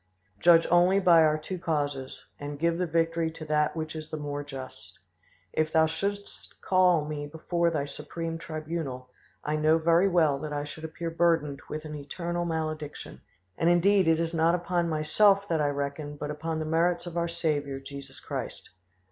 Judge only by our two causes, and give the victory to that which is the more just. If Thou shouldst call me before Thy supreme tribunal, I know very well that I should appear burdened with an eternal malediction; and indeed it is not upon myself that I reckon but upon the merits of our Saviour Jesus Christ.